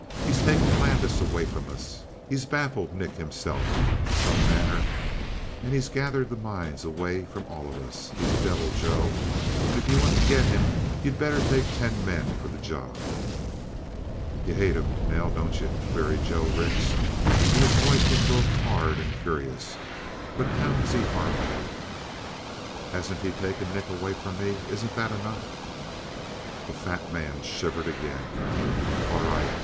He's taken Landis away from us; he's baffled Nick himself, in some manner; and he's gathered the mines away from all of us. He's a devil, Joe, and if you want to get him you'd better take ten men for the job." "You hate him, Nell, don't you?" queried Joe Rix, and his voice was both hard and curious. "But how has he harmed you?" "Hasn't he taken Nick away from me? Isn't that enough?" The fat man shivered again. "All right.